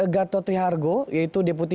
gatotri hargo yaitu deputi